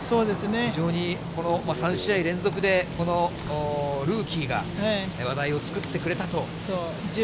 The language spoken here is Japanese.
非常にこの３試合連続でこのルーキーが話題を作ってくれたと。